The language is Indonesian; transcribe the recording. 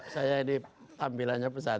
saya diambilannya pesantren